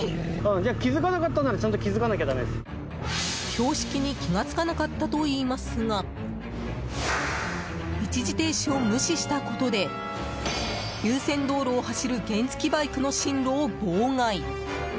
標識に気がつかなかったと言いますが一時停止を無視したことで優先道路を走る原付バイクの進路を妨害。